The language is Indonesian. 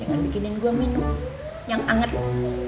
jangan bikinin gua minum yang anget lu ya